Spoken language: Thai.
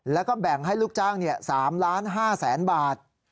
แล้วก็แบ่งให้ลูกจ้าง๓๕๐๐๐๐บาท